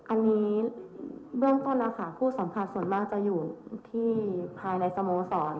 อันนี้เบื้องต้นนะคะผู้สัมผัสส่วนมากจะอยู่ที่ภายในสโมสร